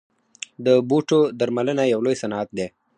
د بوټو درملنه یو لوی صنعت دی